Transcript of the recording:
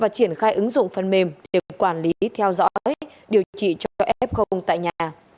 và triển khai ứng dụng phần mềm để quản lý theo dõi điều trị cho f tại nhà